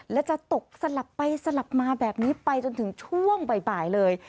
และจะตกสลับไปสลับมาแบบนี้ไปจนถึงช่วงบ่ายเลย